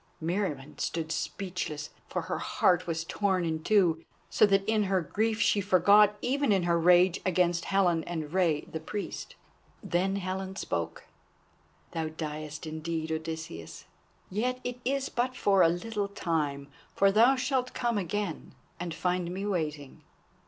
Meriamun stood speechless, for her heart was torn in two, so that in her grief she forgot even her rage against Helen and Rei the Priest. Then Helen spoke. "Thou diest indeed, Odysseus, yet it is but for a little time, for thou shalt come again and find me waiting."